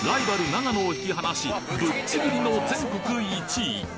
長野を引き離しぶっちぎりの全国１位！